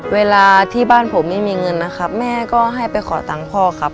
เวลาที่บ้านผมไม่มีเงินนะครับแม่ก็ให้ไปขอตังค์พ่อครับ